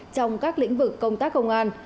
trong các lĩnh vực công tác công an